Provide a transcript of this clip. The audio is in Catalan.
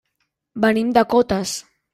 Venim de Cotes.